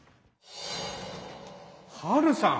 ハルさん。